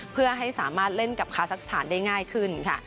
เพื่อให้สามารถเล่นกับคาซักสถานได้ง่ายขึ้นค่ะ